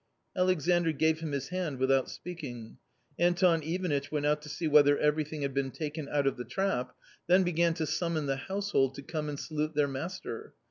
Alexandr gave him his hand without speaking./ Anton Ivanitch went out to see whether everything had been taken out of the trap, then began to summon the household to come and salute their master.